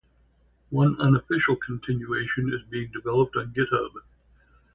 One unofficial continuation is being developed on Github.